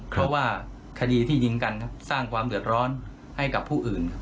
เพราะว่าคดีที่ยิงกันสร้างความเดือดร้อนให้กับผู้อื่น